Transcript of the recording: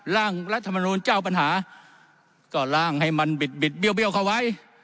ร่างรัฐมนูลเจ้าปัญหาก็ล่างให้มันบิดบิดเบี้ยวเข้าไว้